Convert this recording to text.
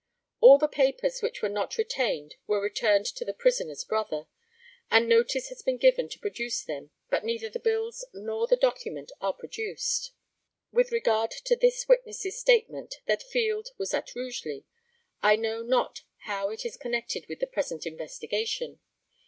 All the papers which were not retained were returned to the prisoner's brother, and notice has been given to produce them, but neither the bills nor the document are produced. With regard to this witness's statement, that Field was at Rugeley, I know not how it is connected with the present investigation.